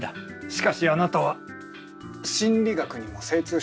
しかしあなたは心理学にも精通しているようだ。